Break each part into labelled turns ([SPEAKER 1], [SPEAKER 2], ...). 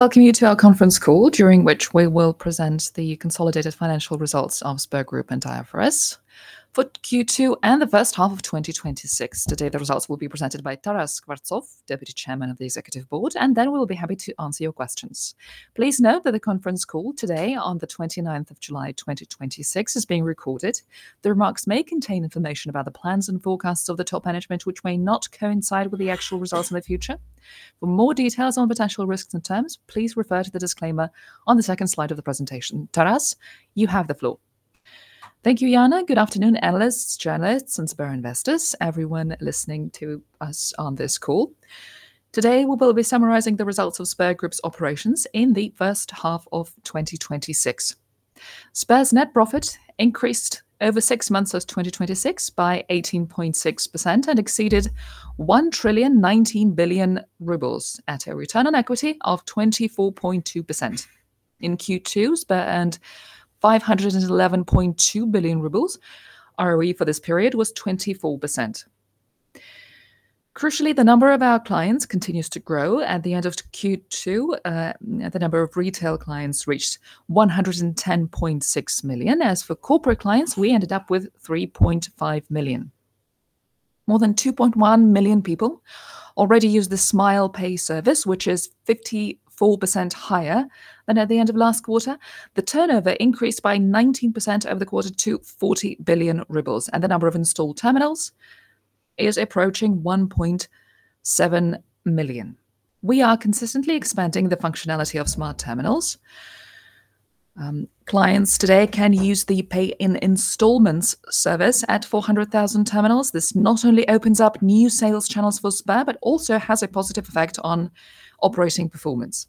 [SPEAKER 1] Welcome you to our conference call, during which we will present the consolidated financial results of Sber Group and Alfa-Bank for Q2 and the H1 of 2026. Today, the results will be presented by Taras Skvortsov, Deputy Chairman of the Executive Board, and then we'll be happy to answer your questions. Please note that the conference call today on the 29th of July 2026 is being recorded. The remarks may contain information about the plans and forecasts of the top management, which may not coincide with the actual results in the future. For more details on potential risks and terms, please refer to the disclaimer on the second slide of the presentation. Taras, you have the floor.
[SPEAKER 2] Thank you, Yana. Good afternoon, analysts, journalists and Sber investors, everyone listening to us on this call. Today, we will be summarizing the results of Sber Group's operations in the H1 of 2026. Sber's net profit increased over six months of 2026 by 18.6% and exceeded 1,019 billion rubles at a return on equity of 24.2%. In Q2, Sber earned 511.2 billion rubles. ROE for this period was 24%. Crucially, the number of our clients continues to grow. At the end of Q2, the number of retail clients reached 110.6 million. As for corporate clients, we ended up with 3.5 million. More than 2.1 million people already use the Smile to Pay service, which is 54% higher than at the end of last quarter. The turnover increased by 19% over the quarter to 40 billion rubles, and the number of installed terminals is approaching 1.7 million. We are consistently expanding the functionality of smart terminals. Clients today can use the pay-in-installments service at 400,000 terminals. This not only opens up new sales channels for Sber, but also has a positive effect on operating performance.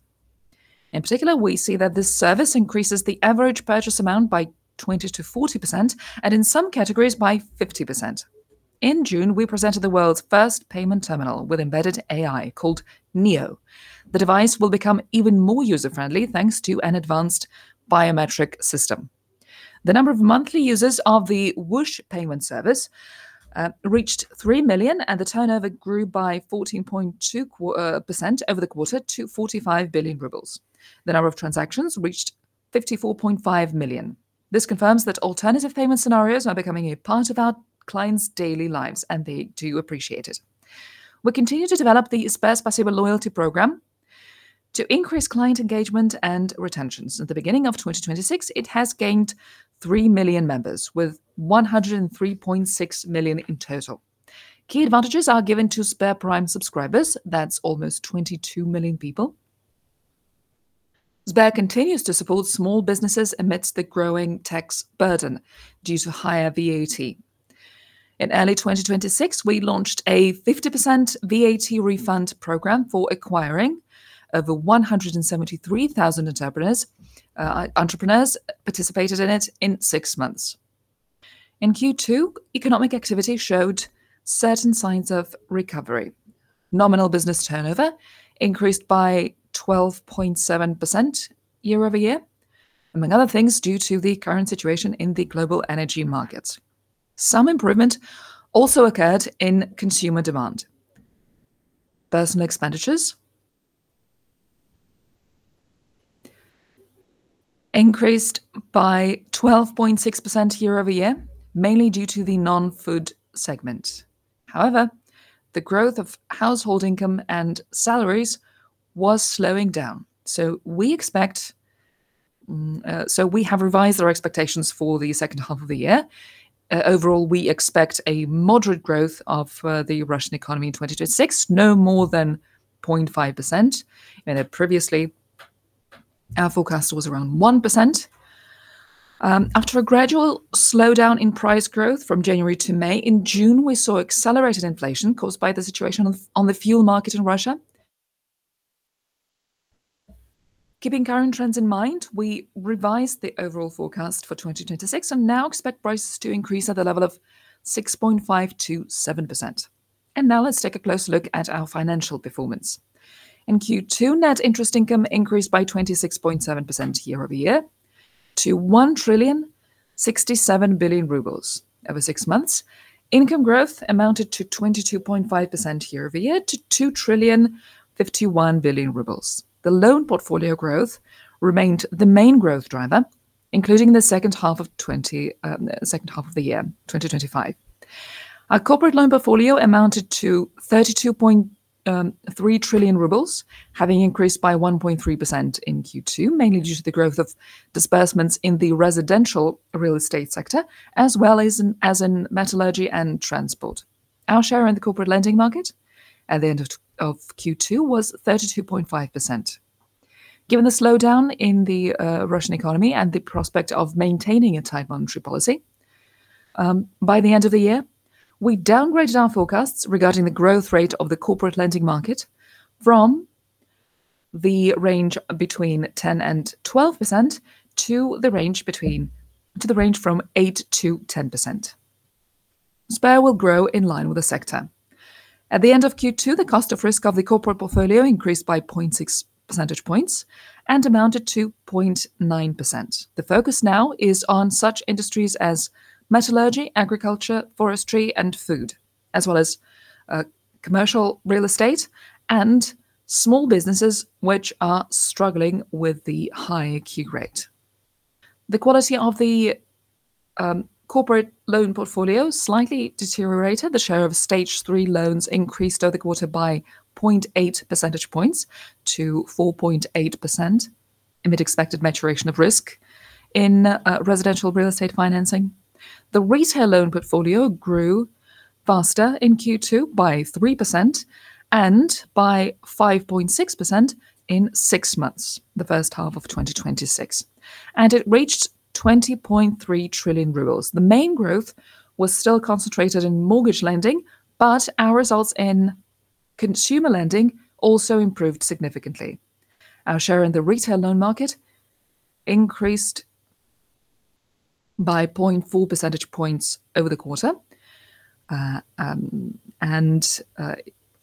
[SPEAKER 2] In particular, we see that this service increases the average purchase amount by 20%-40%, and in some categories by 50%. In June, we presented the world's first payment terminal with embedded AI called NEO. The device will become even more user-friendly thanks to an advanced biometric system. The number of monthly users of the Whoosh payment service reached 3 million, and the turnover grew by 14.2% over the quarter to 45 billion rubles. The number of transactions reached 54.5 million. This confirms that alternative payment scenarios are becoming a part of our clients' daily lives, and they do appreciate it. We continue to develop the SberSpasibo loyalty program to increase client engagement and retention. At the beginning of 2026, it has gained 3 million members with 103.6 million in total. Key advantages are given to SberPrime subscribers. That's almost 22 million people. Sber continues to support small businesses amidst the growing tax burden due to higher VAT. In early 2026, we launched a 50% VAT refund program for acquiring. Over 173,000 entrepreneurs participated in it in six months. In Q2, economic activity showed certain signs of recovery. Nominal business turnover increased by 12.7% year-over-year, among other things, due to the current situation in the global energy market. Some improvement also occurred in consumer demand. Personal expenditures increased by 12.6% year-over-year, mainly due to the non-food segment. The growth of household income and salaries was slowing down. We have revised our expectations for the H2 of the year. Overall, we expect a moderate growth of the Russian economy in 2026, no more than 0.5%, and previously our forecast was around 1%. After a gradual slowdown in price growth from January to May, in June, we saw accelerated inflation caused by the situation on the fuel market in Russia. Keeping current trends in mind, we revised the overall forecast for 2026 and now expect prices to increase at the level of 6.5%-7%. Now let's take a close look at our financial performance. In Q2, net interest income increased by 26.7% year-over-year to 1,067 billion rubles. Over six months, income growth amounted to 22.5% year-over-year to 2,051 billion rubles. The loan portfolio growth remained the main growth driver, including the H2 of the year, 2025. Our corporate loan portfolio amounted to 32.3 trillion rubles, having increased by 1.3% in Q2, mainly due to the growth of disbursements in the residential real estate sector, as well as in metallurgy and transport. Our share in the corporate lending market at the end of Q2 was 32.5%. Given the slowdown in the Russian economy and the prospect of maintaining a tight monetary policy, by the end of the year, we downgraded our forecasts regarding the growth rate of the corporate lending market from the range between 10%-12% to the range from 8%-10%. Sber will grow in line with the sector. At the end of Q2, the cost of risk of the corporate portfolio increased by 0.6 percentage points and amounted to 0.9%. The focus now is on such industries as metallurgy, agriculture, forestry and food. As well as commercial real estate and small businesses which are struggling with the high Q rate. The quality of the corporate loan portfolio slightly deteriorated. The share of Stage 3 loans increased over the quarter by 0.8 percentage points to 4.8% amid expected maturation of risk in residential real estate financing. The retail loan portfolio grew faster in Q2 by 3% and by 5.6% in six months, the H1 of 2026, and it reached 20.3 trillion rubles. The main growth was still concentrated in mortgage lending, but our results in consumer lending also improved significantly. Our share in the retail loan market increased by 0.4 percentage points over the quarter, and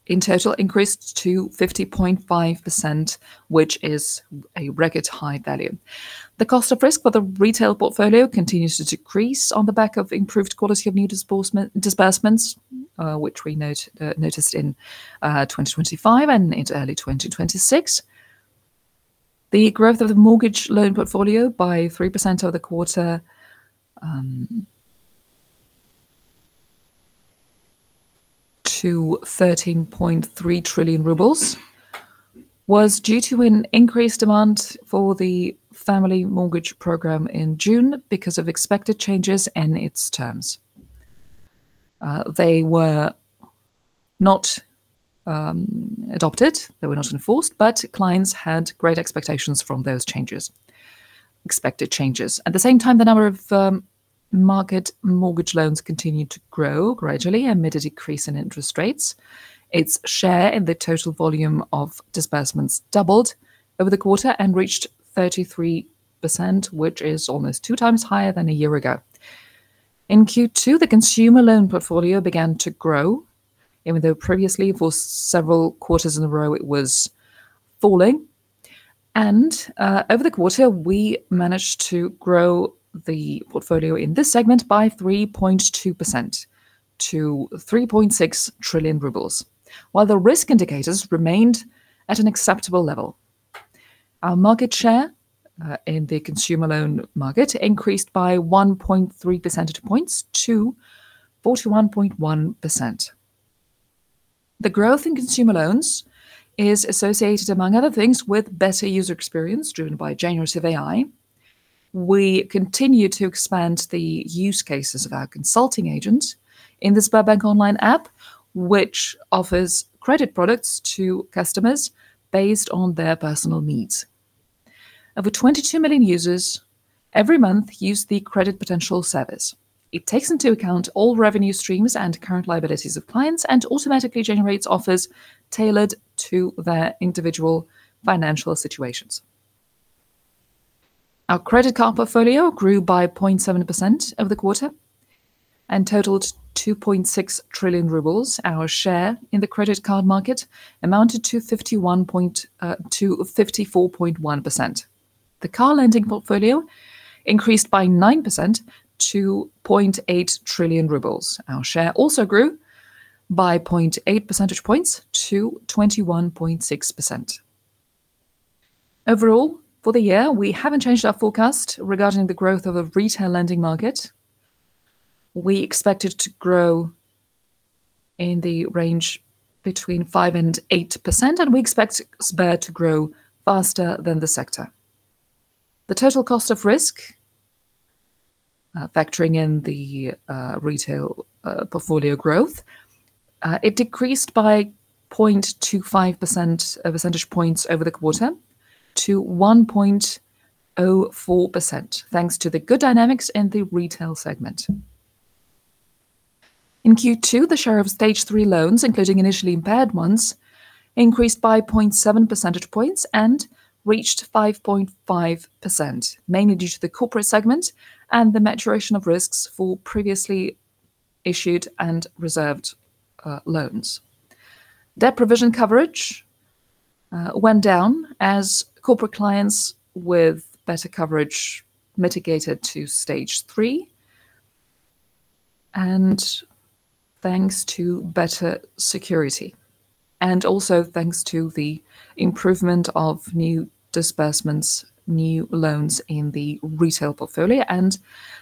[SPEAKER 2] in total increased to 50.5%, which is a record high value. The cost of risk for the retail portfolio continues to decrease on the back of improved quality of new disbursements, which we noticed in 2025 and into early 2026. The growth of the mortgage loan portfolio by 3% over the quarter to 13.3 trillion rubles was due to an increased demand for the family mortgage program in June because of expected changes in its terms. They were not adopted, they were not enforced, but clients had great expectations from those expected changes. At the same time, the number of market mortgage loans continued to grow gradually amid a decrease in interest rates. Its share in the total volume of disbursements doubled over the quarter and reached 33%, which is almost two times higher than a year ago. In Q2, the consumer loan portfolio began to grow, even though previously, for several quarters in a row, it was falling. Over the quarter, we managed to grow the portfolio in this segment by 3.2% to 3.6 trillion rubles, while the risk indicators remained at an acceptable level. Our market share in the consumer loan market increased by 1.3 percentage points to 41.1%. The growth in consumer loans is associated, among other things, with better user experience driven by GenAI. We continue to expand the use cases of our consulting agents in the Sberbank Online app, which offers credit products to customers based on their personal needs. Over 22 million users every month use the credit potential service. It takes into account all revenue streams and current liabilities of clients, and automatically generates offers tailored to their individual financial situations. Our credit card portfolio grew by 0.7% over the quarter and totaled 2.6 trillion rubles. Our share in the credit card market amounted to 54.1%. The car lending portfolio increased by 9% to 0.8 trillion rubles. Our share also grew by 0.8 percentage points to 21.6%. Overall, for the year, we haven't changed our forecast regarding the growth of the retail lending market. We expect it to grow in the range between 5%-8%, and we expect Sber to grow faster than the sector. The total cost of risk, factoring in the retail portfolio growth, it decreased by 0.25 percentage points over the quarter to 1.04%, thanks to the good dynamics in the retail segment. In Q2, the share of Stage 3 loans, including initially impaired ones, increased by 0.7 percentage points and reached 5.5%, mainly due to the corporate segment and the maturation of risks for previously issued and reserved loans. Debt provision coverage went down as corporate clients with better coverage mitigated to Stage 3, and thanks to better security. Also thanks to the improvement of new disbursements, new loans in the retail portfolio, and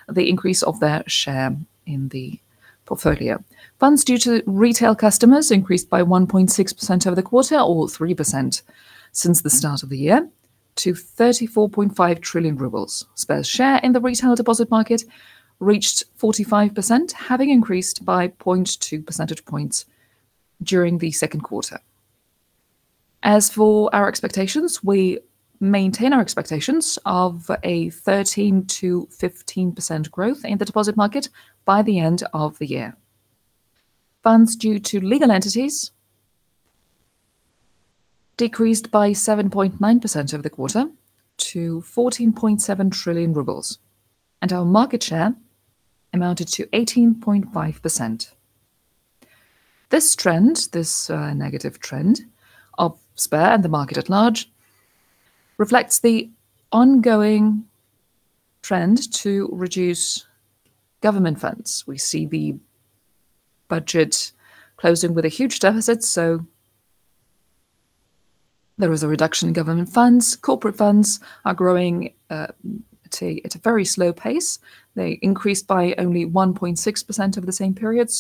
[SPEAKER 2] the increase of their share in the portfolio. Funds due to retail customers increased by 1.6% over the quarter, or 3% since the start of the year, to 34.5 trillion rubles. Sber's share in the retail deposit market reached 45%, having increased by 0.2 percentage points during the second quarter. As for our expectations, we maintain our expectations of a 13%-15% growth in the deposit market by the end of the year. Funds due to legal entities decreased by 7.9% over the quarter to 14.7 trillion rubles, and our market share amounted to 18.5%. This negative trend of Sber and the market at large reflects the ongoing trend to reduce government funds. We see the budget closing with a huge deficit, there is a reduction in government funds. Corporate funds are growing at a very slow pace. They increased by only 1.6% over the same period.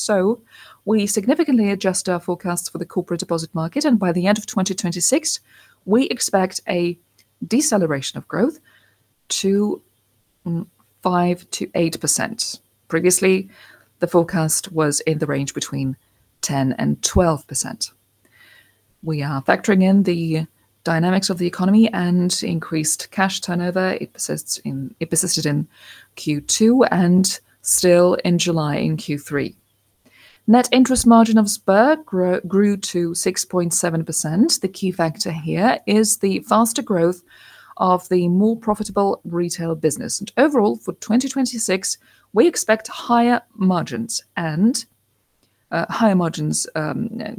[SPEAKER 2] We significantly adjust our forecasts for the corporate deposit market, and by the end of 2026, we expect a deceleration of growth to 5%-8%. Previously, the forecast was in the range between 10%-12%. We are factoring in the dynamics of the economy and increased cash turnover. It persisted in Q2 and still in July in Q3. Net interest margin of Sber grew to 6.7%. The key factor here is the faster growth of the more profitable retail business. Overall, for 2026, we expect higher margins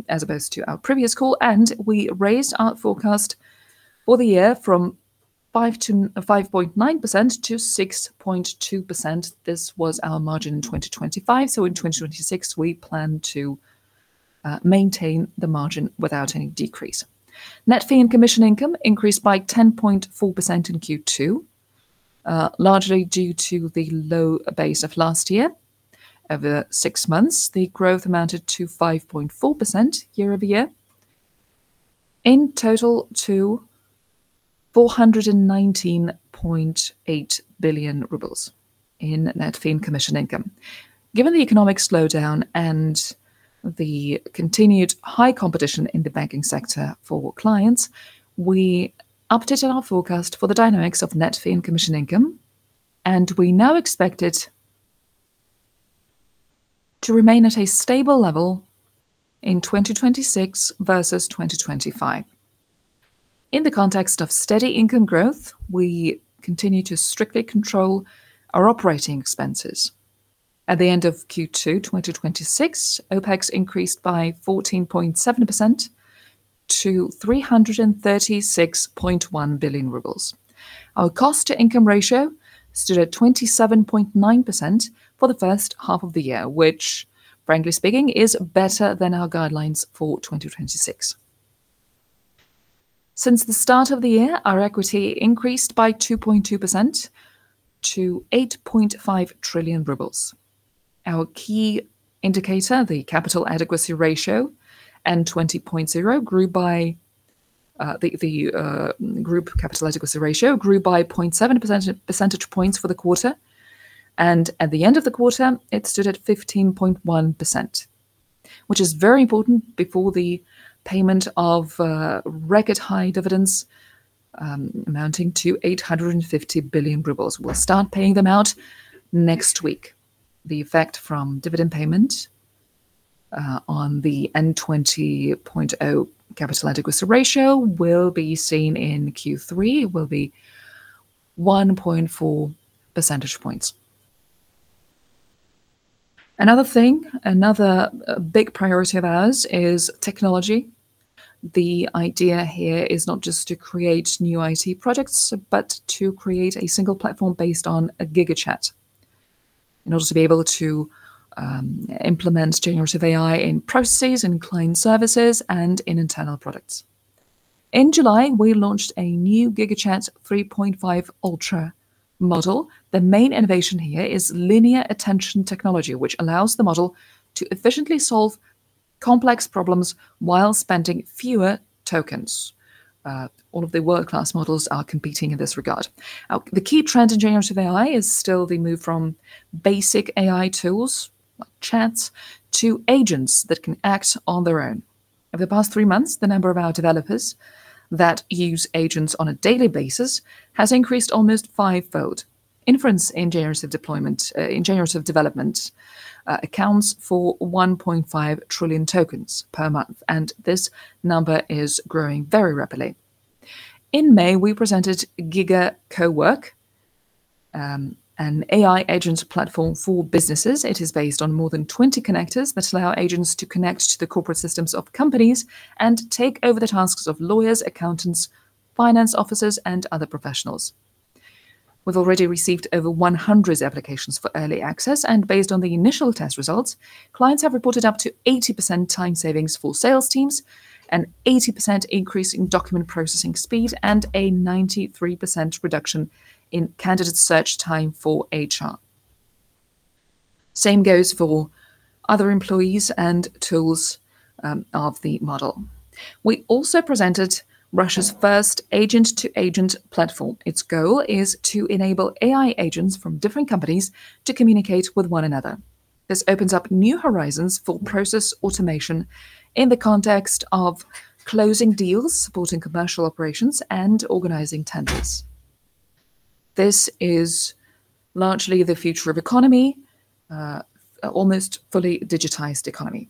[SPEAKER 2] as opposed to our previous call, and we raised our forecast for the year from 5.9%-6.2%. This was our margin in 2025. In 2026, we plan to maintain the margin without any decrease. Net fee and commission income increased by 10.4% in Q2, largely due to the low base of last year. Over six months, the growth amounted to 5.4% year-over-year, in total to 419.8 billion rubles in net fee and commission income. Given the economic slowdown and the continued high competition in the banking sector for clients, we updated our forecast for the dynamics of net fee and commission income. We now expect it to remain at a stable level in 2026 versus 2025. In the context of steady income growth, we continue to strictly control our operating expenses. At the end of Q2 2026, OpEx increased by 14.7% to 336.1 billion rubles. Our cost-to-income ratio stood at 27.9% for the H1 of the year, which, frankly speaking, is better than our guidelines for 2026. Since the start of the year, our equity increased by 2.2% to 8.5 trillion rubles. Our key indicator, the group capital adequacy ratio, grew by 0.7 percentage points for the quarter. At the end of the quarter, it stood at 15.1%, which is very important before the payment of record high dividends amounting to 850 billion rubles. We'll start paying them out next week. The effect from dividend payment on the N20.0 capital adequacy ratio will be seen in Q3, will be 1.4 percentage points. Another big priority of ours is technology. The idea here is not just to create new IT projects, but to create a single platform based on GigaChat in order to be able to implement generative AI in processes, in client services, and in internal products. In July, we launched a new GigaChat 3.5 Ultra model. The main innovation here is linear attention technology, which allows the model to efficiently solve complex problems while spending fewer tokens. All of the world-class models are competing in this regard. The key trend in generative AI is still the move from basic AI tools like chats to agents that can act on their own. Over the past three months, the number of our developers that use agents on a daily basis has increased almost fivefold. Inference in generative development accounts for 1.5 trillion tokens per month. This number is growing very rapidly. In May, we presented GigaCowork, an AI agents platform for businesses. It is based on more than 20 connectors that allow agents to connect to the corporate systems of companies and take over the tasks of lawyers, accountants, finance officers, and other professionals. We've already received over 100 applications for early access. Based on the initial test results, clients have reported up to 80% time savings for sales teams, an 80% increase in document processing speed, and a 93% reduction in candidate search time for HR. Same goes for other employees and tools of the model. We also presented Russia's first agent-to-agent platform. Its goal is to enable AI agents from different companies to communicate with one another. This opens up new horizons for process automation in the context of closing deals, supporting commercial operations, and organizing tenders. This is largely the future of economy, almost fully digitized economy.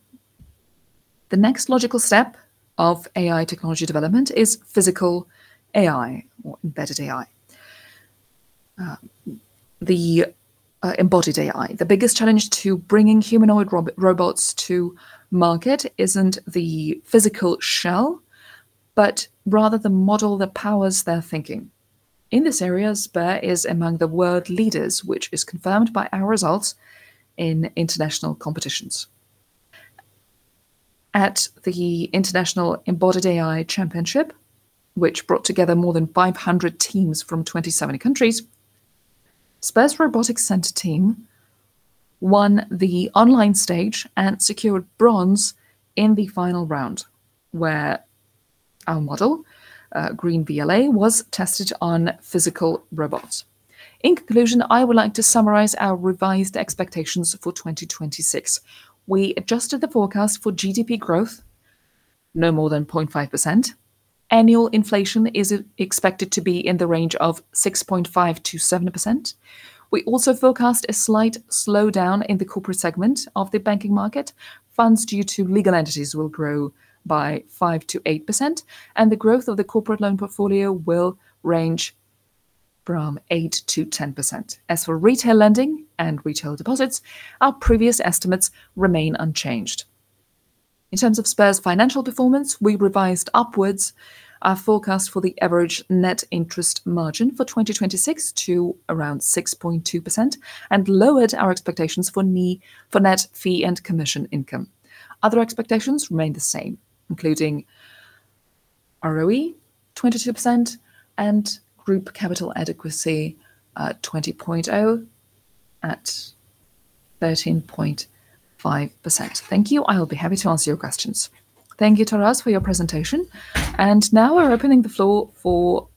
[SPEAKER 2] The next logical step of AI technology development is physical AI or embedded AI. The embodied AI. The biggest challenge to bringing humanoid robots to market isn't the physical shell, but rather the model that powers their thinking. In this area, Sber is among the world leaders, which is confirmed by our results in international competitions. At the International Embodied AI Championship, which brought together more than 500 teams from 27 countries, Sber's Robotics Center team won the online stage and secured bronze in the final round, where our model, Green-VLA, was tested on physical robots. In conclusion, I would like to summarize our revised expectations for 2026. We adjusted the forecast for GDP growth no more than 0.5%. Annual inflation is expected to be in the range of 6.5%-7%. We also forecast a slight slowdown in the corporate segment of the banking market. Funds due to legal entities will grow by 5%-8%, and the growth of the corporate loan portfolio will range from 8%-10%. As for retail lending and retail deposits, our previous estimates remain unchanged. In terms of Sber's financial performance, we revised upwards our forecast for the average net interest margin for 2026 to around 6.2% and lowered our expectations for net fee and commission income. Other expectations remain the same, including ROE 22% and group capital adequacy N20.0 at 13.5%. Thank you. I will be happy to answer your questions.
[SPEAKER 1] Thank you, Taras, for your presentation. Now we're opening the floor for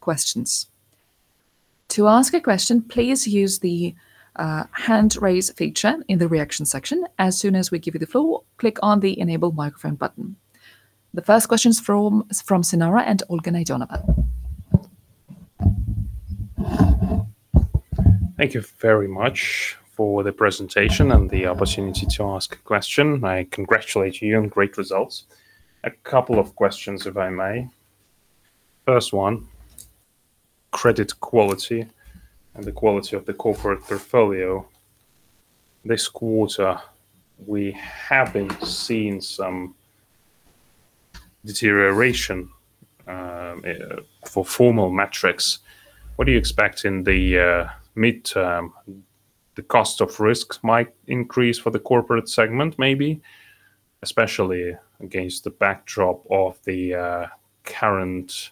[SPEAKER 1] questions. To ask a question, please use the hand raise feature in the reaction section. As soon as we give you the floor, click on the enable microphone button. The first question's from Sinara, Olga Naydenova.
[SPEAKER 3] Thank you very much for the presentation and the opportunity to ask a question. I congratulate you on great results. A couple of questions, if I may. First one, credit quality and the quality of the corporate portfolio. This quarter, we have been seeing some deterioration for formal metrics. What do you expect in the mid-term? The cost of risk might increase for the corporate segment, maybe, especially against the backdrop of the current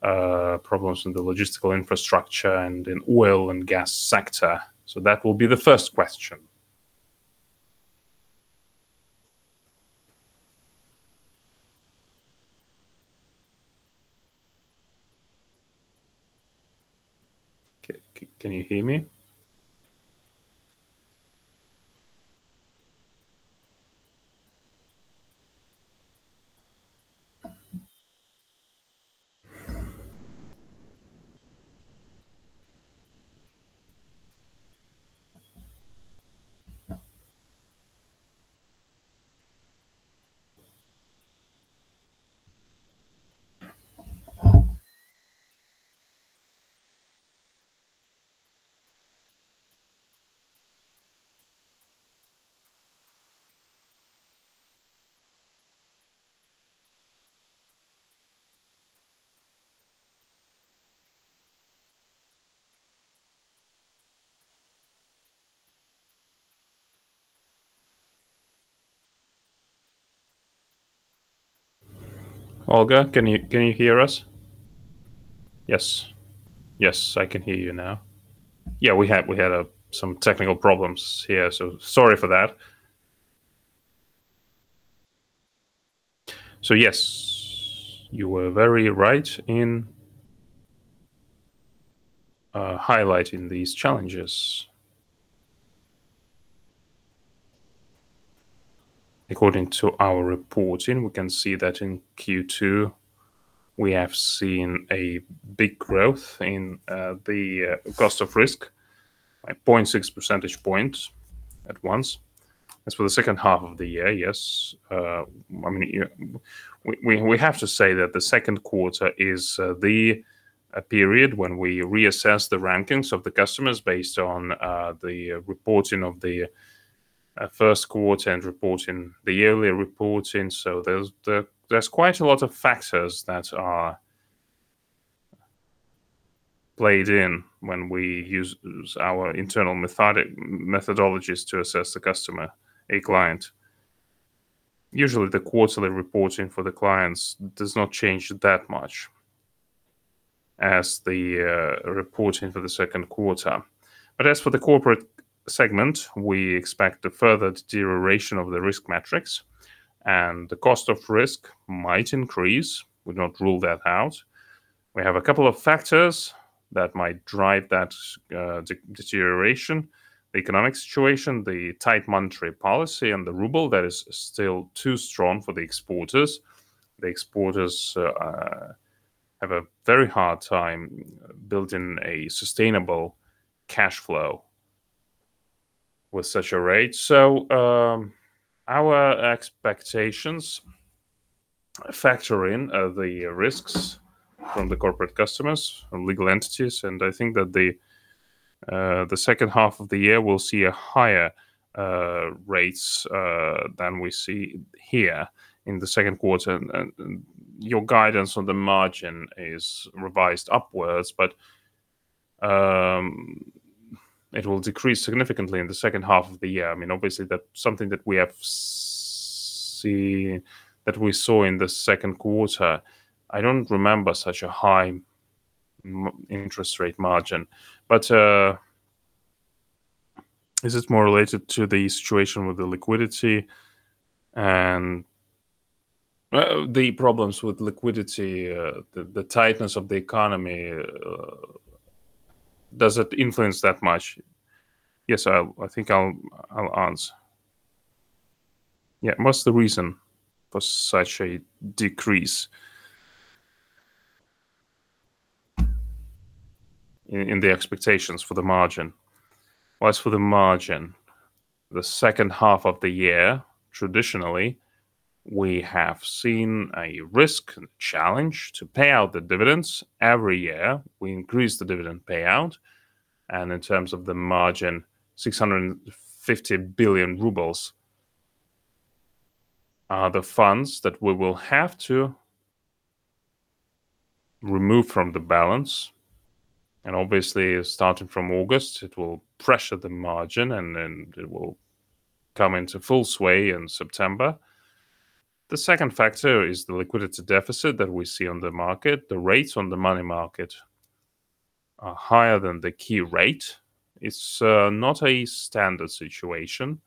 [SPEAKER 3] problems in the logistical infrastructure and in oil and gas sector. That will be the first question.
[SPEAKER 2] Can you hear me? Olga, can you hear us?
[SPEAKER 3] Yes. Yes, I can hear you now.
[SPEAKER 2] Yeah, we had some technical problems here, sorry for that. Yes, you were very right in highlighting these challenges. According to our reporting, we can see that in Q2, we have seen a big growth in the cost of risk by 0.6 percentage points at once. As for the H2 of the year, yes. We have to say that the second quarter is the period when we reassess the rankings of the customers based on the reporting of the first quarter and the yearly reporting. There's quite a lot of factors that are played in when we use our internal methodologies to assess the customer, a client. Usually, the quarterly reporting for the clients does not change that much as the reporting for the second quarter. But as for the corporate segment, we expect a further deterioration of the risk metrics and the cost of risk might increase. Would not rule that out. We have a couple of factors that might drive that deterioration. The economic situation, the tight monetary policy, and the ruble that is still too strong for the exporters. The exporters have a very hard time building a sustainable cash flow with such a rate. Our expectations factor in the risks from the corporate customers, from legal entities, and I think that the H2 of the year will see higher rates than we see here in the second quarter.
[SPEAKER 3] Your guidance on the margin is revised upwards, but it will decrease significantly in the H2 of the year. Obviously, that's something that we saw in the second quarter. I don't remember such a high interest rate margin, but is this more related to the situation with the liquidity and the problems with liquidity, the tightness of the economy? Does it influence that much?
[SPEAKER 2] Yes, I think I'll answer.
[SPEAKER 3] What's the reason for such a decrease in the expectations for the margin?
[SPEAKER 2] As for the margin, the H2 of the year, traditionally, we have seen a risk and challenge to pay out the dividends. Every year, we increase the dividend payout, and in terms of the margin, 650 billion rubles are the funds that we will have to remove from the balance. Obviously, starting from August, it will pressure the margin and then it will come into full sway in September. The second factor is the liquidity deficit that we see on the market. The rates on the money market are higher than the key rate. It's not a standard situation.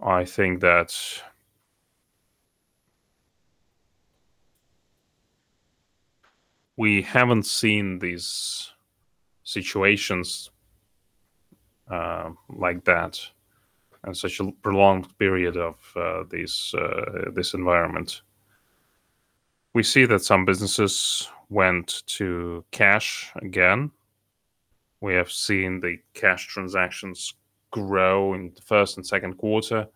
[SPEAKER 2] I think that we haven't seen these situations like that in such a prolonged period of this environment. We see that some businesses went to cash again. We have seen the cash transactions grow in the first and second quarter.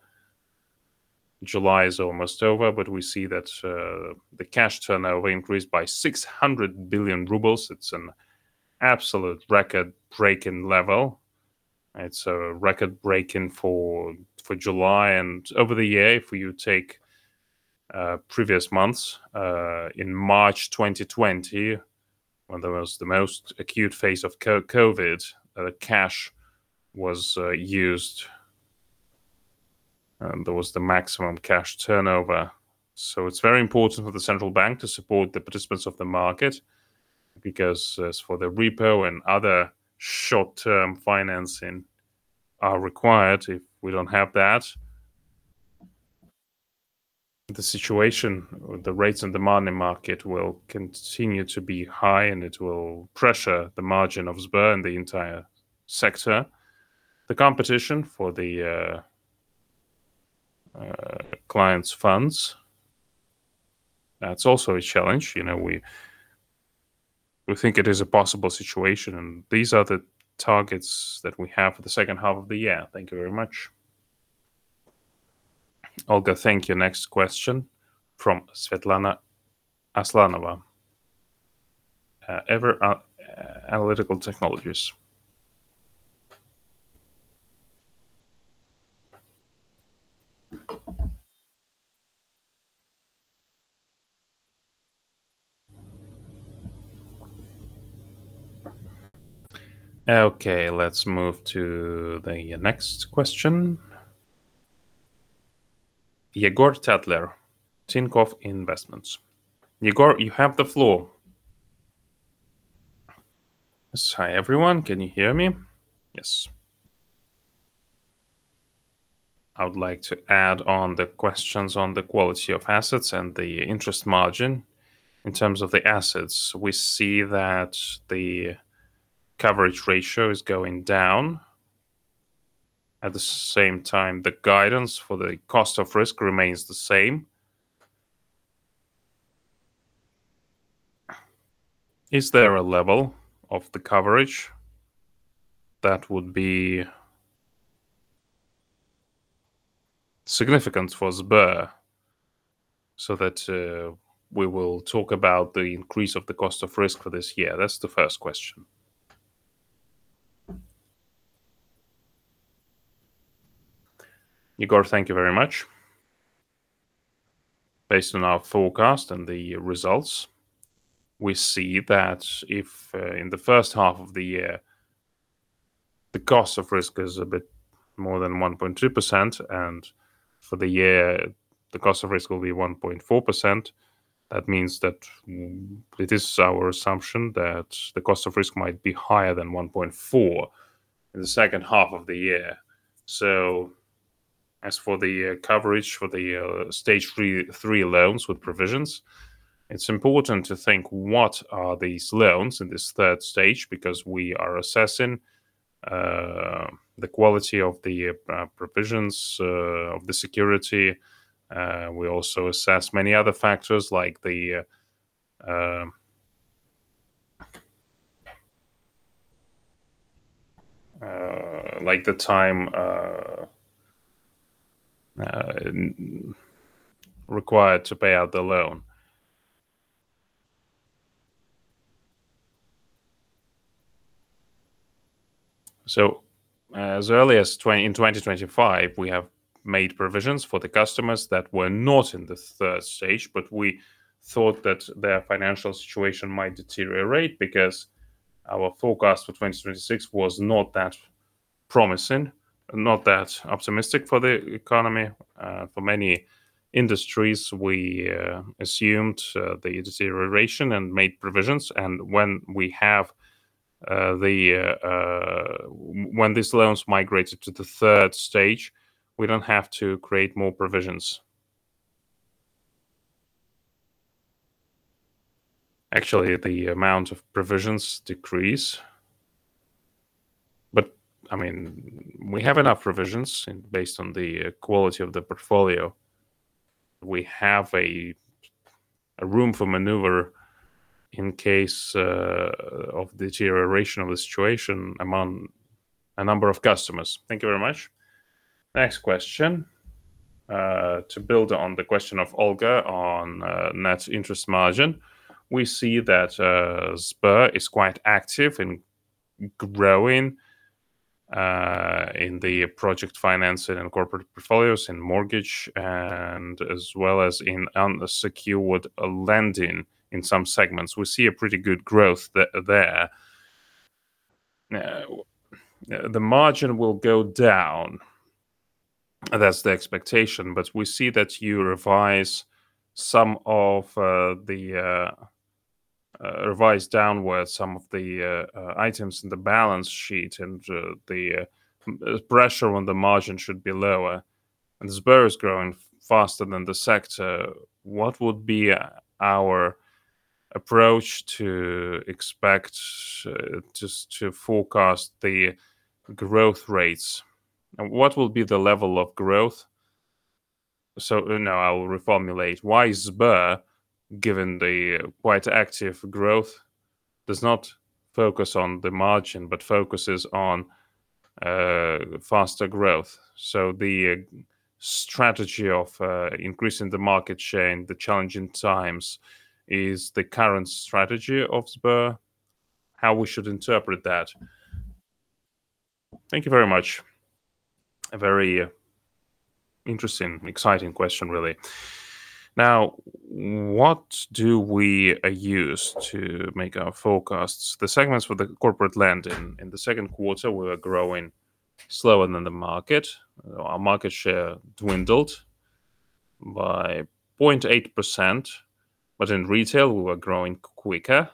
[SPEAKER 2] July is almost over, but we see that the cash turnover increased by 600 billion rubles. It's an absolute record-breaking level. It's record-breaking for July and over the year. If you take previous months, in March 2020, when there was the most acute phase of COVID, cash was used, and there was the maximum cash turnover. It's very important for the central bank to support the participants of the market because as for the repo and other short-term financing are required. If we don't have that, the situation with the rates in the money market will continue to be high, and it will pressure the margin of Sber and the entire sector. The competition for the clients' funds, that's also a challenge. We think it is a possible situation, and these are the targets that we have for the H2 of the year. Thank you very much.
[SPEAKER 1] Olga, thank you. Next question from Svetlana Aslanova at Euler Analytical Technologies. Let's move to the next question. Egor Dakhtler, Tinkoff Investments. Egor, you have the floor.
[SPEAKER 4] Hi, everyone. Can you hear me? Yes. I would like to add on the questions on the quality of assets and the interest margin. In terms of the assets, we see that the coverage ratio is going down. At the same time, the guidance for the cost of risk remains the same. Is there a level of the coverage that would be significant for Sber so that we will talk about the increase of the cost of risk for this year? That's the first question.
[SPEAKER 2] Egor, thank you very much. Based on our forecast and the results, we see that if in the first half of the year, the cost of risk is a bit more than 1.2%, and for the year, the cost of risk will be 1.4%, that means that it is our assumption that the cost of risk might be higher than 1.4% in the H2 of the year. As for the coverage for the Stage 3 loans with provisions, it's important to think what are these loans in this Stage 3 because we are assessing the quality of the provisions of the security. We also assess many other factors like the time required to pay out the loan. As early as in 2025, we have made provisions for the customers that were not in the Stage 3, but we thought that their financial situation might deteriorate because our forecast for 2026 was not that promising, not that optimistic for the economy. For many industries, we assumed the deterioration and made provisions. When these loans migrated to the Stage 3, we don't have to create more provisions. Actually, the amount of provisions decrease. We have enough provisions based on the quality of the portfolio. We have a room for maneuver in case of deterioration of the situation among a number of customers.
[SPEAKER 4] Thank you very much. Next question. To build on the question of Olga on net interest margin, we see that Sber is quite active in growing in the project financing and corporate portfolios, in mortgage, and as well as in unsecured lending in some segments. We see a pretty good growth there. The margin will go down. That's the expectation. We see that you revised downward some of the items in the balance sheet, and the pressure on the margin should be lower, and Sber is growing faster than the sector. What would be our approach to forecast the growth rates? What will be the level of growth? Now I will reformulate. Why Sber, given the quite active growth, does not focus on the margin, but focuses on faster growth? The strategy of increasing the market share in the challenging times is the current strategy of Sber? How we should interpret that?
[SPEAKER 2] Thank you very much. A very interesting, exciting question, really. Now, what do we use to make our forecasts? The segments for the corporate lending in the second quarter were growing slower than the market. Our market share dwindled by 0.8%, in retail, we were growing quicker.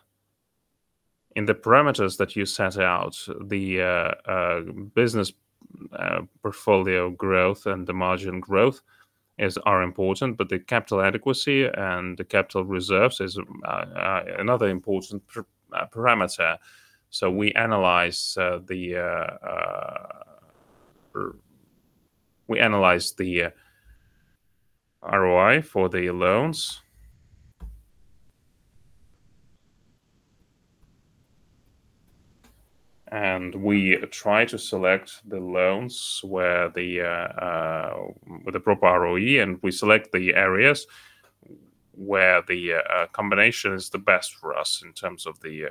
[SPEAKER 2] In the parameters that you set out, the business portfolio growth and the margin growth are important, the capital adequacy and the capital reserves is another important parameter. We analyze the ROI for the loans, we try to select the loans with the proper ROE, we select the areas where the combination is the best for us in terms of the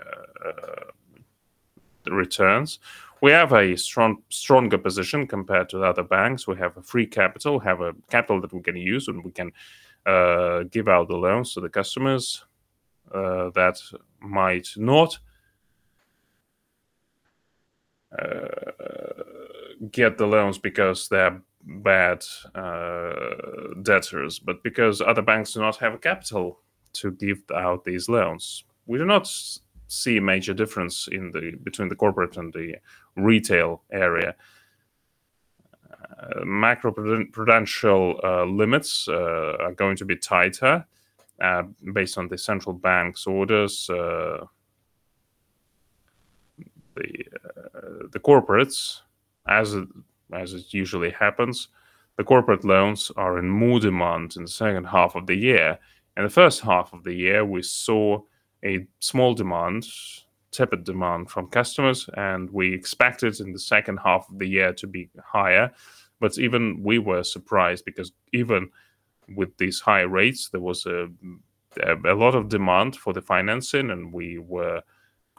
[SPEAKER 2] returns. We have a stronger position compared to other banks. We have a free capital. We have a capital that we can use, we can give out the loans to the customers that might not get the loans because they're bad debtors, but because other banks do not have capital to give out these loans. We do not see a major difference between the corporate and the retail area. Macroprudential limits are going to be tighter based on the central bank's orders. Corporates, as it usually happens, the corporate loans are in more demand in the H2 of the year. In the H1 of the year, we saw a small demand, tepid demand from customers, we expected in the H2 of the year to be higher. Even we were surprised because even with these high rates, there was a lot of demand for the financing, and we were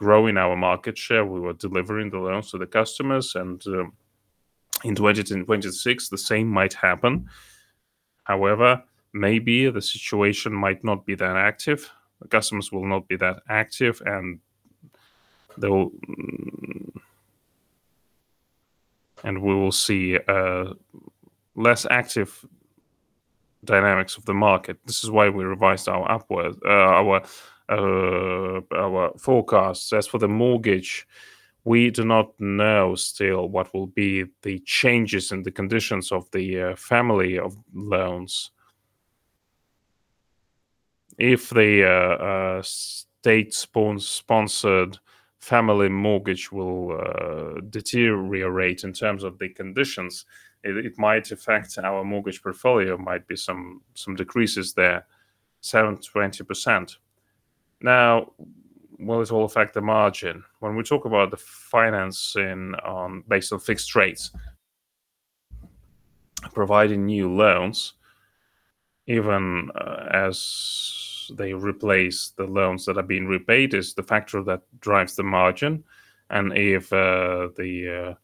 [SPEAKER 2] growing our market share. We were delivering the loans to the customers. In 2026, the same might happen. Maybe the situation might not be that active. Customers will not be that active, and we will see less active dynamics of the market. This is why we revised our forecasts. For the mortgage, we do not know still what will be the changes in the conditions of the family of loans. If the state-sponsored family mortgage will deteriorate in terms of the conditions, it might affect our mortgage portfolio. Might be some decreases there 7%-20%. Will this all affect the margin? When we talk about the financing based on fixed rates, providing new loans, even as they replace the loans that are being repaid, is the factor that drives the margin. If we're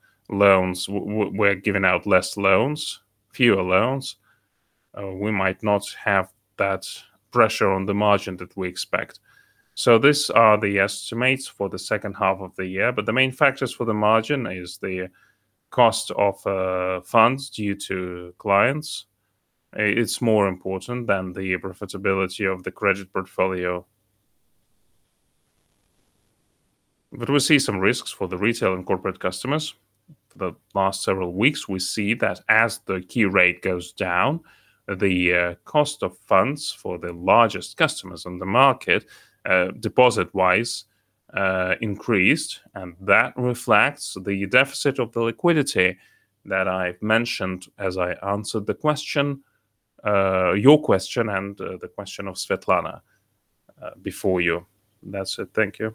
[SPEAKER 2] giving out less loans, fewer loans, we might not have that pressure on the margin that we expect. These are the estimates for the H2 of the year, the main factors for the margin is the cost of funds due to clients. It's more important than the profitability of the credit portfolio. We see some risks for the retail and corporate customers. For the last several weeks, we see that as the key rate goes down, the cost of funds for the largest customers on the market, deposit-wise, increased. That reflects the deficit of the liquidity that I mentioned as I answered your question and the question of Svetlana before you. That's it. Thank you.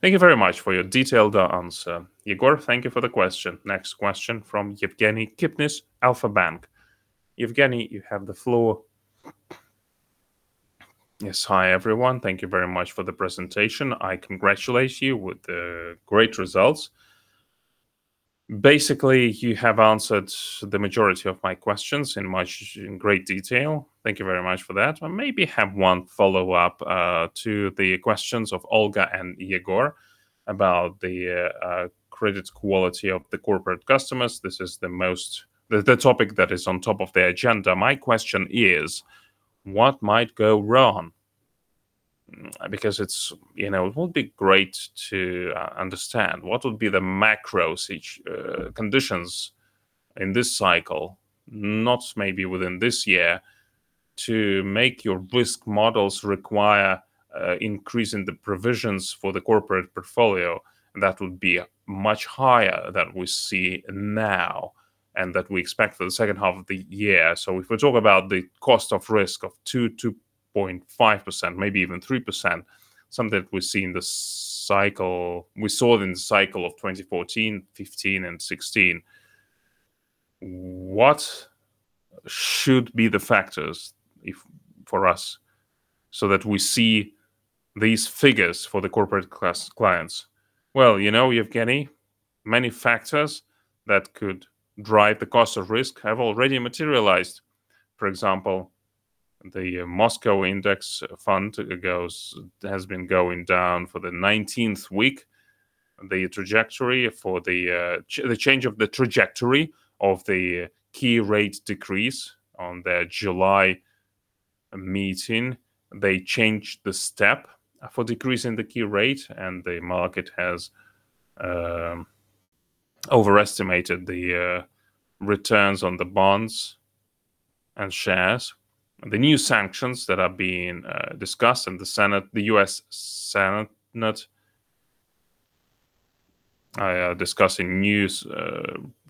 [SPEAKER 4] Thank you very much for your detailed answer.
[SPEAKER 2] Egor, thank you for the question.
[SPEAKER 1] Next question from Yevgeny Kipnis, Alfa-Bank. Yevgeny, you have the floor. Yes.
[SPEAKER 5] Hi, everyone. Thank you very much for the presentation. I congratulate you with the great results. You have answered the majority of my questions in great detail. Thank you very much for that. I maybe have one follow-up to the questions of Olga and Egor about the credit quality of the corporate customers. This is the topic that is on top of the agenda. My question is what might go wrong? It would be great to understand what would be the macro conditions in this cycle, not maybe within this year, to make your risk models require increasing the provisions for the corporate portfolio that would be much higher than we see now, and that we expect for the H2 of the year. If we talk about the cost of risk of 2%, 2.5%, maybe even 3%, something we saw in the cycle of 2014, 2015, and 2016. What should be the factors for us so that we see these figures for the corporate clients?
[SPEAKER 2] Well, Yevgeny, many factors that could drive the cost of risk have already materialized. For example, the Moscow Exchange Index has been going down for the 19th week. The change of the trajectory of the key rate decrease on their July meeting, they changed the step for decreasing the key rate, the market has overestimated the returns on the bonds and shares. The new sanctions that are being discussed in the U.S. Senate, discussing new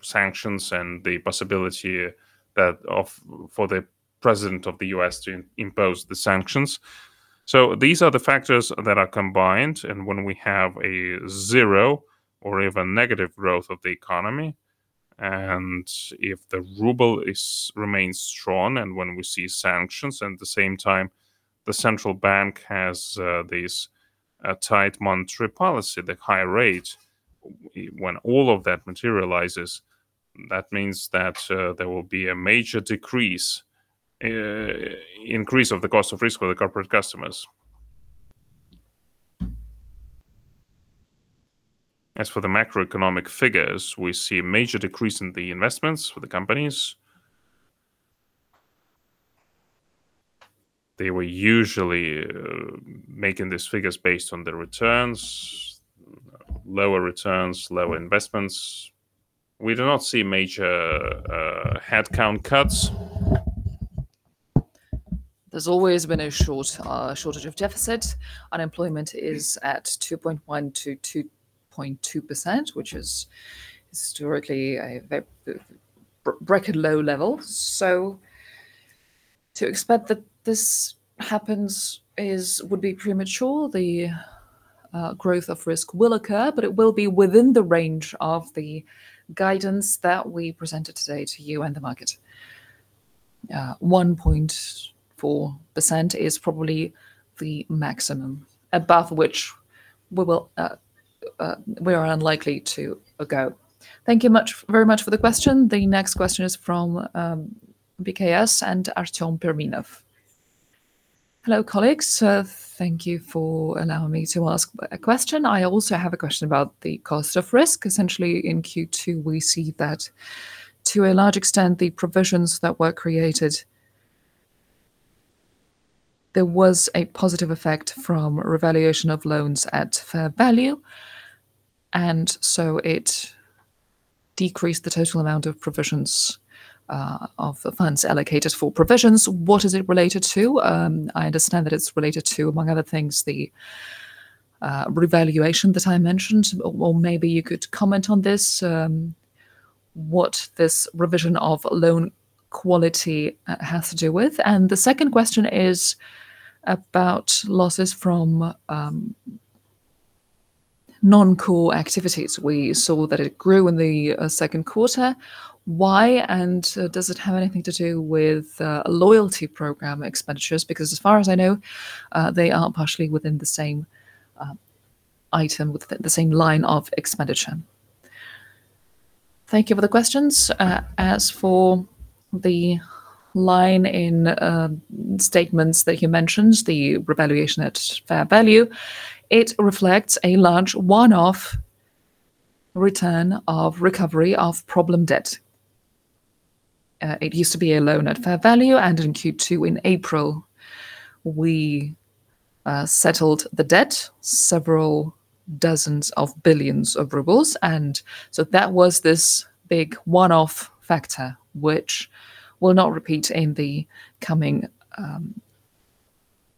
[SPEAKER 2] sanctions and the possibility for the President of the U.S. to impose the sanctions. These are the factors that are combined, and when we have a zero or even negative growth of the economy, and if the ruble remains strong, and when we see sanctions, and at the same time, the Central Bank has this tight monetary policy, the high rate, when all of that materializes, that means that there will be a major increase of the cost of risk for the corporate customers. As for the macroeconomic figures, we see a major decrease in the investments for the companies. They were usually making these figures based on the returns. Lower returns, lower investments. We do not see major headcount cuts. There's always been a shortage of deficit. Unemployment is at 2.1%-2.2%, which is historically a very record low level. To expect that this happens would be premature. The growth of risk will occur, but it will be within the range of the guidance that we presented today to you and the market. 1.4% is probably the maximum, above which we are unlikely to go. Thank you very much for the question.
[SPEAKER 1] The next question is from BCS, Artem Perminov.
[SPEAKER 6] Hello, colleagues. Thank you for allowing me to ask a question. I also have a question about the cost of risk. Essentially, in Q2, we see that to a large extent, the provisions that were created, there was a positive effect from revaluation of loans at fair value, it decreased the total amount of provisions of the funds allocated for provisions. What is it related to? I understand that it's related to, among other things, the revaluation that I mentioned, or maybe you could comment on this, what this revision of loan quality has to do with? The second question is about losses from non-core activities. We saw that it grew in the second quarter. Why, and does it have anything to do with loyalty program expenditures? Because as far as I know, they are partially within the same item, the same line of expenditure.
[SPEAKER 2] Thank you for the questions. As for the line in statements that you mentioned, the revaluation at fair value, it reflects a large one-off return of recovery of problem debt. It used to be a loan at fair value, and in Q2, in April, we settled the debt, several dozens of billions of RUB. That was this big one-off factor, which will not repeat in the coming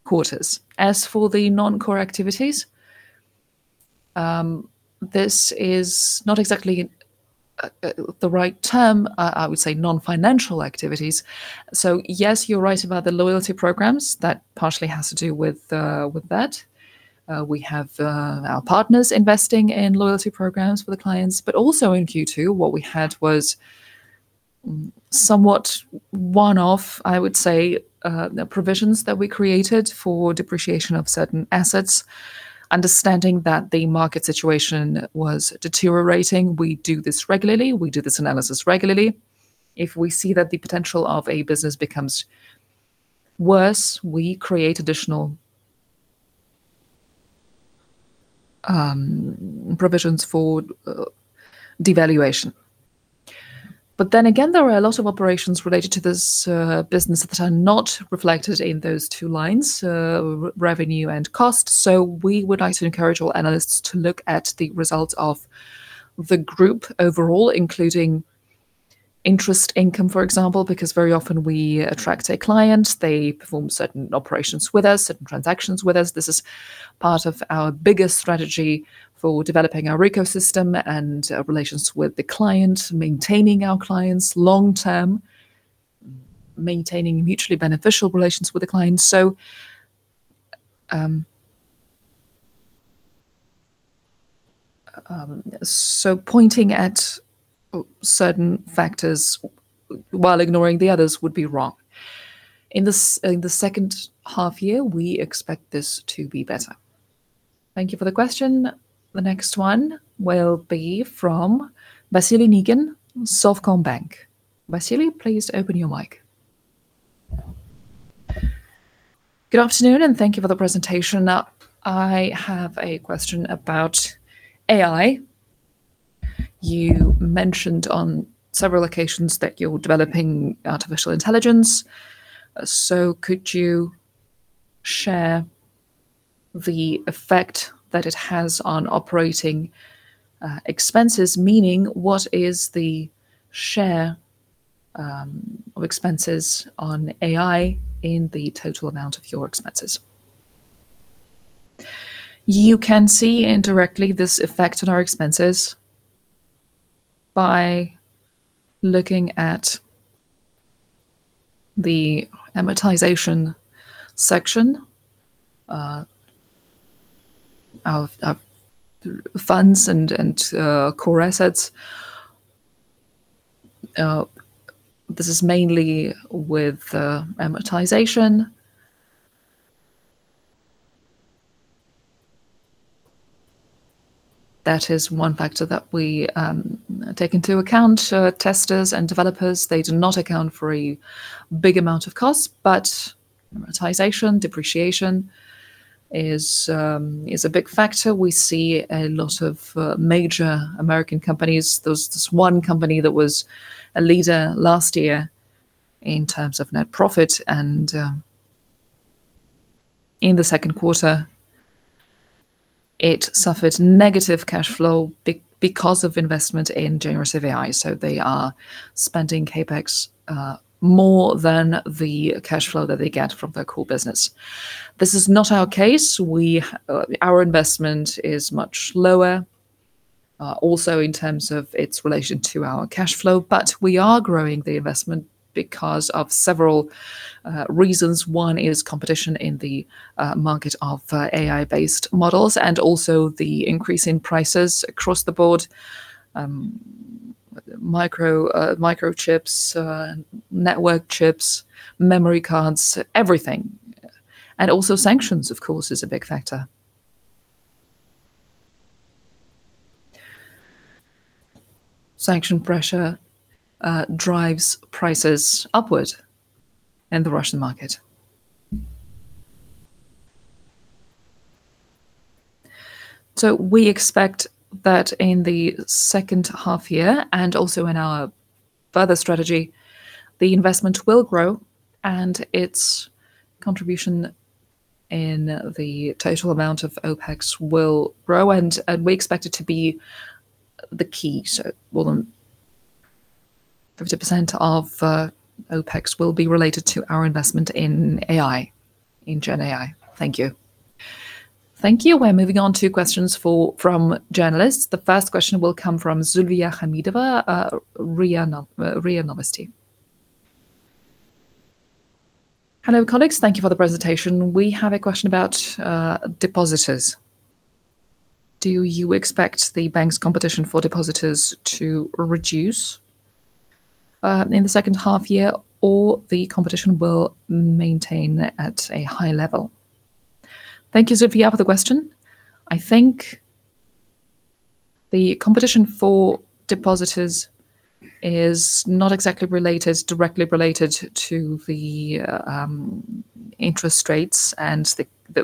[SPEAKER 2] quarters. As for the non-core activities, this is not exactly the right term. I would say non-financial activities. Yes, you're right about the loyalty programs. That partially has to do with that. We have our partners investing in loyalty programs for the clients, but also in Q2, what we had was somewhat one-off, I would say, provisions that we created for depreciation of certain assets, understanding that the market situation was deteriorating. We do this regularly. We do this analysis regularly. If we see that the potential of a business becomes worse, we create additional provisions for devaluation. There are a lot of operations related to this business that are not reflected in those two lines, revenue and cost. We would like to encourage all analysts to look at the results of the group overall, including interest income, for example, because very often we attract a client, they perform certain operations with us, certain transactions with us. This is part of our biggest strategy for developing our ecosystem and relations with the client, maintaining our clients long-term, maintaining mutually beneficial relations with the client. Pointing at certain factors while ignoring the others would be wrong. In the H2 year, we expect this to be better. Thank you for the question.
[SPEAKER 1] The next one will be from Vasily Nigan, Sovcombank. Vasily, please open your mic.
[SPEAKER 7] Good afternoon, and thank you for the presentation. I have a question about AI. You mentioned on several occasions that you're developing artificial intelligence. Could you share the effect that it has on operating expenses? Meaning what is the share of expenses on AI in the total amount of your expenses?
[SPEAKER 2] You can see indirectly this effect on our expenses by looking at the amortization section of funds and core assets. This is mainly with amortization. That is one factor that we take into account. Testers and developers, they do not account for a big amount of cost, but amortization, depreciation is a big factor. We see a lot of major American companies. There was this one company that was a leader last year in terms of net profit, and in the second quarter, it suffered negative cash flow because of investment in generative AI. They are spending CapEx more than the cash flow that they get from their core business. This is not our case. Our investment is much lower, also in terms of its relation to our cash flow, but we are growing the investment because of several reasons. One is competition in the market of AI-based models, and also the increase in prices across the board; microchips, network chips, memory cards, everything. Sanctions, of course, is a big factor. Sanction pressure drives prices upward in the Russian market. We expect that in the H2 year, and also in our further strategy, the investment will grow and its contribution in the total amount of OpEx will grow, and we expect it to be the key. Will 50% of OpEx will be related to our investment in AI, in GenAI. Thank you.
[SPEAKER 1] Thank you. We're moving on to questions from journalists. The first question will come from Zulfiya Khamidova, RIA Novosti. Hello, colleagues. Thank you for the presentation.
[SPEAKER 8] We have a question about depositors. Do you expect the bank's competition for depositors to reduce in the H2 year, or the competition will maintain at a high level?
[SPEAKER 2] Thank you, Zulfiya, for the question. I think the competition for depositors is not exactly directly related to the interest rates and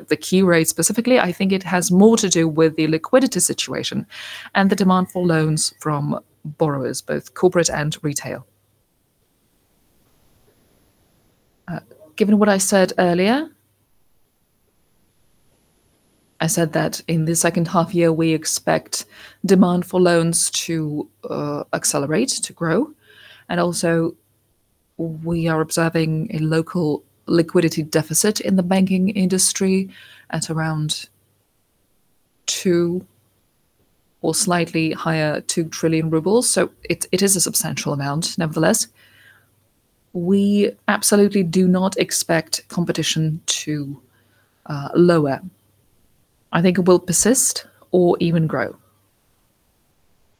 [SPEAKER 2] the key rate specifically. I think it has more to do with the liquidity situation and the demand for loans from borrowers, both corporate and retail. Given what I said earlier, I said that in the H2 year, we expect demand for loans to accelerate, to grow, and also we are observing a local liquidity deficit in the banking industry at around two or slightly higher, 2 trillion rubles. So it is a substantial amount. Nevertheless, we absolutely do not expect competition to lower. I think it will persist or even grow.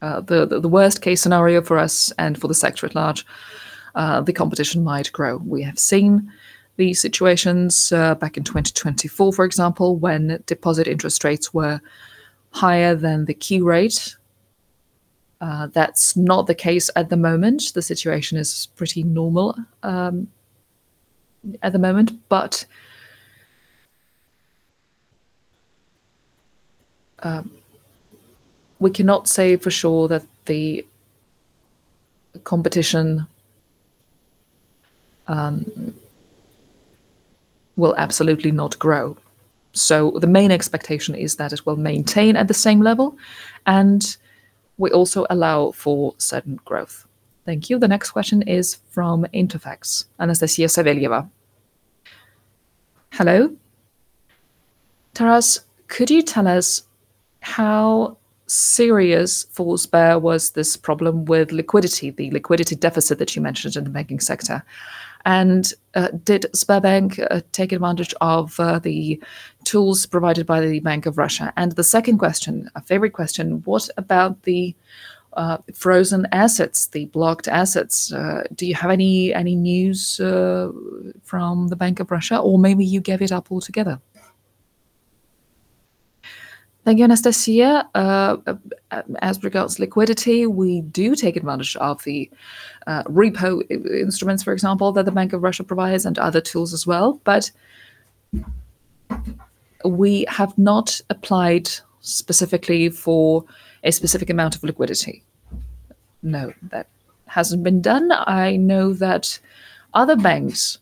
[SPEAKER 2] The worst-case scenario for us and for the sector at large, the competition might grow. We have seen these situations back in 2024, for example, when deposit interest rates were higher than the key rate. That's not the case at the moment. The situation is pretty normal at the moment, but we cannot say for sure that the competition will absolutely not grow. The main expectation is that it will maintain at the same level, and we also allow for certain growth. Thank you.
[SPEAKER 1] The next question is from Interfax, Anastasia Savelyeva.
[SPEAKER 9] Hello. Taras, could you tell us how serious for Sber was this problem with liquidity, the liquidity deficit that you mentioned in the banking sector, and did Sberbank take advantage of the tools provided by the Bank of Russia? And the second question, a favorite question, what about the frozen assets, the blocked assets? Do you have any news from the Bank of Russia, or maybe you gave it up altogether?
[SPEAKER 2] Thank you, Anastasia. As regards liquidity, we do take advantage of the repo instruments, for example, that the Bank of Russia provides and other tools as well. We have not applied specifically for a specific amount of liquidity. No, that hasn't been done. I know that other banks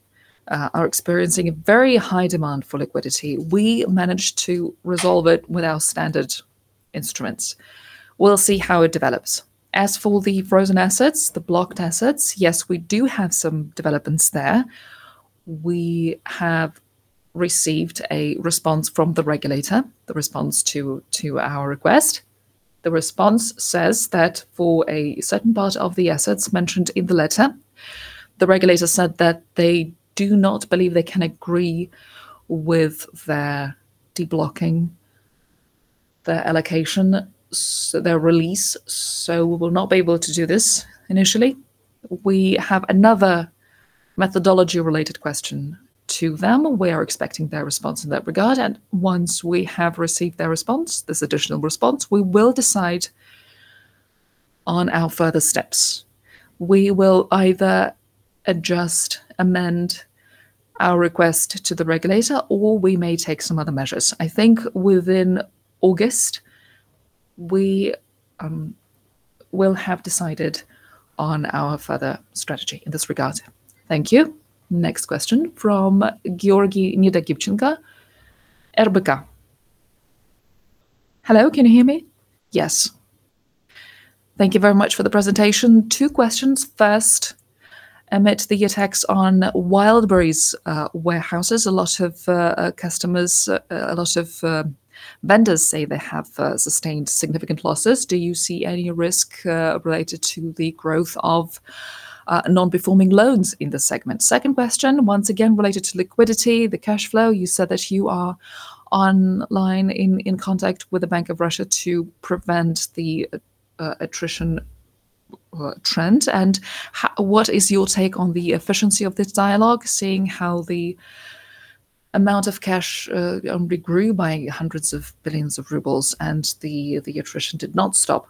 [SPEAKER 2] are experiencing a very high demand for liquidity. We managed to resolve it with our standard instruments. We'll see how it develops. As for the frozen assets, the blocked assets, yes, we do have some developments there. We have received a response from the regulator, the response to our request. The response says that for a certain part of the assets mentioned in the letter, the regulator said that they do not believe they can agree with their deblocking, their allocation, their release, we will not be able to do this initially. We have another methodology-related question to them. Once we have received their response, this additional response, we will decide on our further steps. We will either adjust, amend our request to the regulator, we may take some other measures. I think within August, we will have decided on our further strategy in this regard.
[SPEAKER 1] Thank you. Next question from Georgy Nedogibchenko, RBK. Hello, can you hear me?
[SPEAKER 10] Yes. Thank you very much for the presentation. Two questions. First, amid the attacks on Wildberries warehouses, a lot of vendors say they have sustained significant losses. Do you see any risk related to the growth of non-performing loans in this segment? Second question, once again, related to liquidity, the cash flow. You said that you are online in contact with the Bank of Russia to prevent the attrition trend. What is your take on the efficiency of this dialogue, seeing how the amount of cash only grew by hundreds of billions of RUB and the attrition did not stop?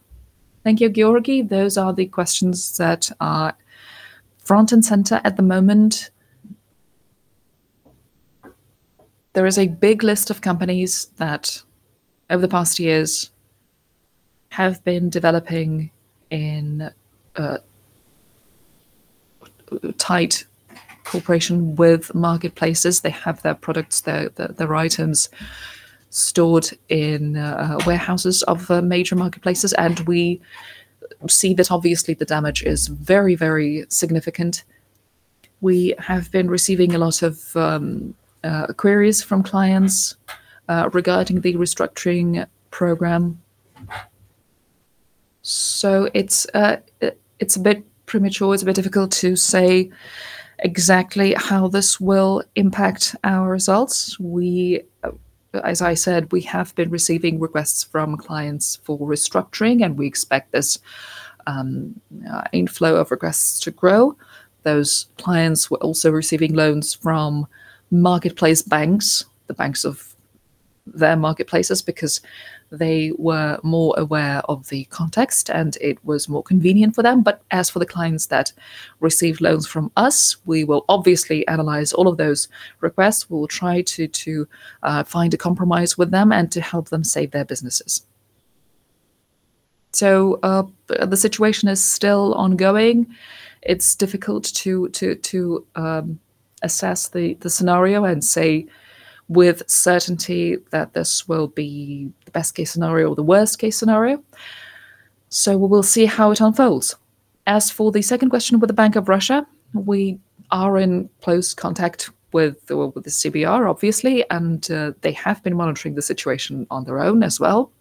[SPEAKER 2] Thank you, Georgy. Those are the questions that are front and center at the moment. There is a big list of companies that, over the past years, have been developing in a tight cooperation with marketplaces. They have their products, their items stored in warehouses of major marketplaces, and we see that obviously the damage is very, very significant. We have been receiving a lot of queries from clients regarding the restructuring program. It's a bit premature, it's a bit difficult to say exactly how this will impact our results. As I said, we have been receiving requests from clients for restructuring, and we expect this inflow of requests to grow. Those clients were also receiving loans from marketplace banks, the banks of their marketplaces, because they were more aware of the context, and it was more convenient for them. But as for the clients that receive loans from us, we will obviously analyze all of those requests. We will try to find a compromise with them and to help them save their businesses. The situation is still ongoing. It's difficult to assess the scenario and say with certainty that this will be the best-case scenario or the worst-case scenario. We will see how it unfolds. As for the second question with the Bank of Russia, we are in close contact with the CBR, obviously, and they have been monitoring the situation on their own as well.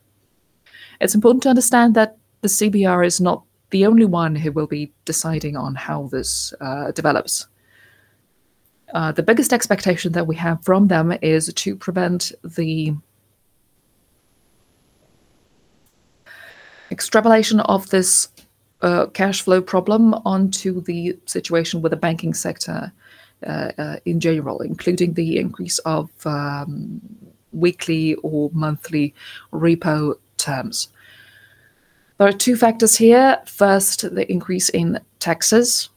[SPEAKER 2] It's important to understand that the CBR is not the only one who will be deciding on how this develops. The biggest expectation that we have from them is to prevent the extrapolation of this cash flow problem onto the situation with the banking sector in general, including the increase of weekly or monthly repo terms. There are two factors here. First, the increase in taxes.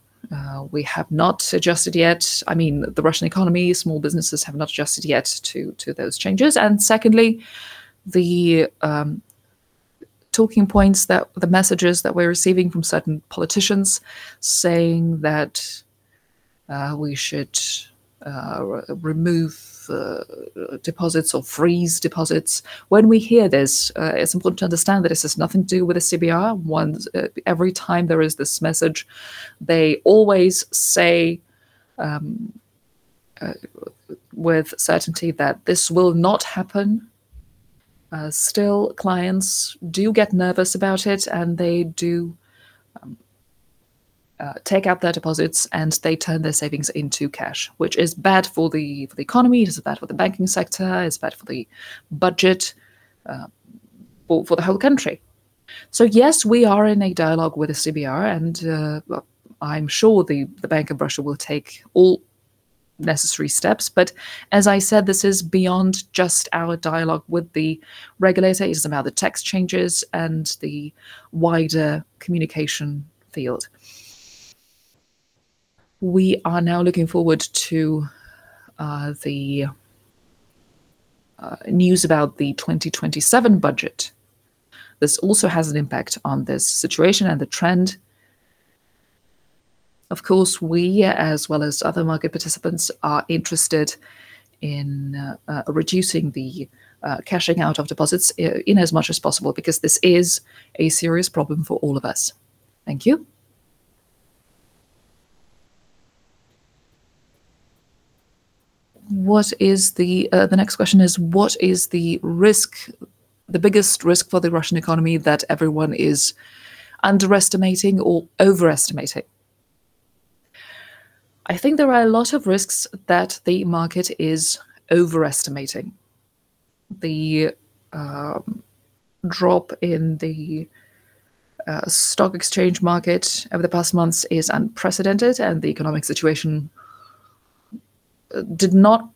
[SPEAKER 2] We have not adjusted yet. The Russian economy, small businesses have not adjusted yet to those changes. Secondly, the talking points, the messages that we're receiving from certain politicians saying that we should remove deposits or freeze deposits. When we hear this, it's important to understand that this has nothing to do with the CBR. Every time there is this message, they always say with certainty that this will not happen. Still, clients do get nervous about it, and they do take out their deposits, and they turn their savings into cash, which is bad for the economy, it is bad for the banking sector, it's bad for the budget, for the whole country. Yes, we are in a dialogue with the CBR, and I'm sure the Bank of Russia will take all necessary steps. But as I said, this is beyond just our dialogue with the regulator. It is about the tax changes and the wider communication field. We are now looking forward to the news about the 2027 budget. This also has an impact on this situation and the trend. Of course, we, as well as other market participants, are interested in reducing the cashing out of deposits in as much as possible because this is a serious problem for all of us. Thank you.
[SPEAKER 10] The next question is: What is the biggest risk for the Russian economy that everyone is underestimating or overestimating?
[SPEAKER 2] I think there are a lot of risks that the market is overestimating. The drop in the stock exchange market over the past months is unprecedented. The economic situation did not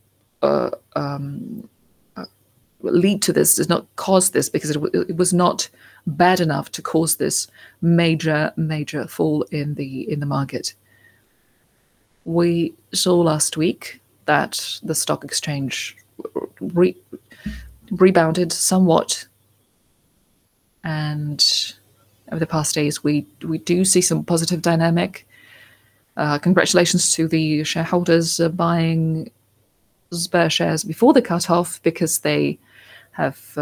[SPEAKER 2] lead to this, does not cause this, because it was not bad enough to cause this major fall in the market. We saw last week that the stock exchange rebounded somewhat. Over the past days, we do see some positive dynamic. Congratulations to the shareholders buying Sber shares before the cutoff because they have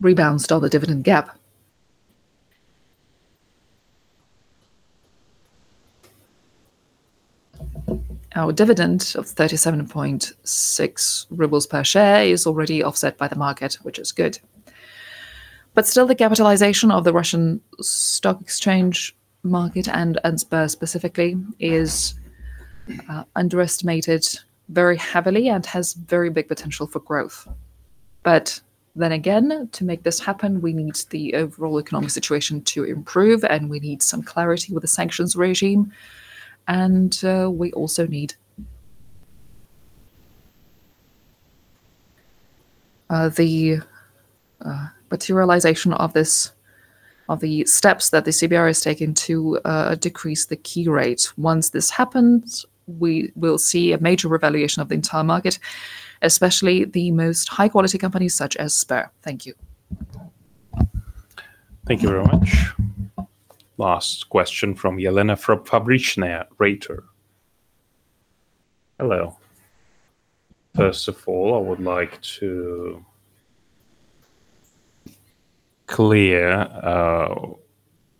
[SPEAKER 2] rebounded on the dividend gap. Our dividend of 37.6 rubles per share is already offset by the market, which is good. The capitalization of the Russian stock exchange market, and Sber specifically, is underestimated very heavily and has very big potential for growth. To make this happen, we need the overall economic situation to improve. We need some clarity with the sanctions regime. We also need the materialization of the steps that the CBR has taken to decrease the key rate. Once this happens, we will see a major revaluation of the entire market, especially the most high-quality companies such as Sber. Thank you.
[SPEAKER 1] Thank you very much. Last question from Elena Fabrichnaya, Reuters.
[SPEAKER 11] Hello. First of all, I would like to clear,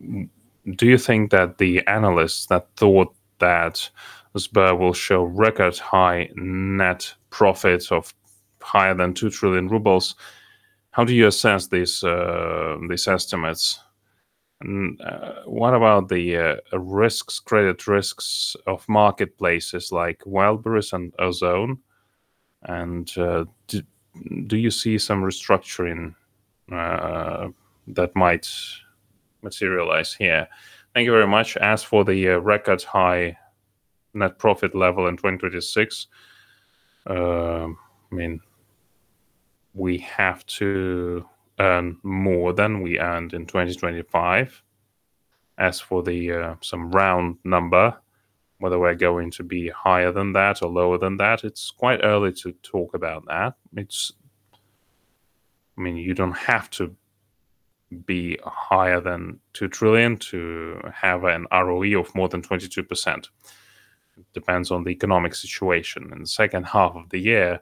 [SPEAKER 11] do you think that the analysts that thought that Sber will show record high net profits of higher than 2 trillion rubles, how do you assess these estimates? What about the credit risks of marketplaces like Wildberries and Ozon? Do you see some restructuring that might materialize here?
[SPEAKER 2] Thank you very much. As for the record high net profit level in 2026, we have to earn more than we earned in 2025. As for some round number, whether we're going to be higher than that or lower than that, it's quite early to talk about that. You don't have to be higher than 2 trillion to have an ROE of more than 22%. Depends on the economic situation. In the H2 of the year,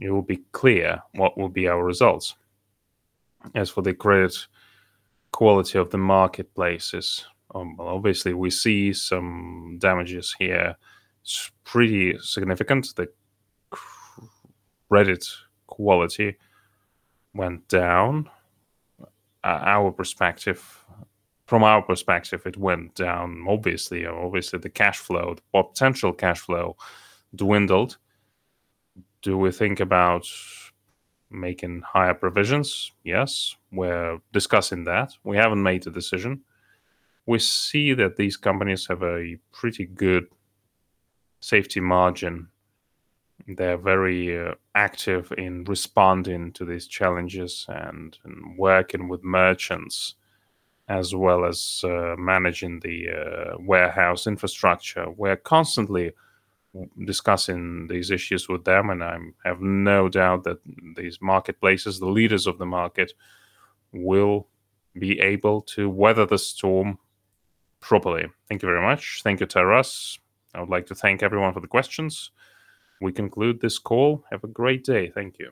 [SPEAKER 2] it will be clear what will be our results. As for the credit quality of the marketplaces, obviously we see some damages here. It's pretty significant. The credit quality went down. From our perspective, it went down. Obviously, the potential cash flow dwindled. Do we think about making higher provisions? Yes, we're discussing that. We haven't made a decision. We see that these companies have a pretty good safety margin. They're very active in responding to these challenges and working with merchants, as well as managing the warehouse infrastructure. We're constantly discussing these issues with them. I have no doubt that these marketplaces, the leaders of the market, will be able to weather the storm properly. Thank you very much.
[SPEAKER 1] Thank you, Taras. I would like to thank everyone for the questions. We conclude this call. Have a great day. Thank you.